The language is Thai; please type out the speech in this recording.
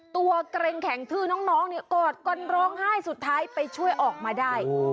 เกร็งแข็งทื้อน้องเนี่ยกอดกันร้องไห้สุดท้ายไปช่วยออกมาได้